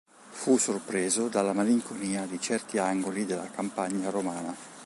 Fu sorpreso dalla malinconia di certi angoli della campagna romana.